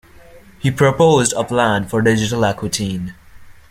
He proposed a "Plan for Digital Aquitaine".